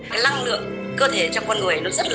cái lăng lượng cơ thể trong con người nó rất là